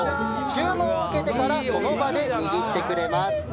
注文を受けてからその場で握ってくれます。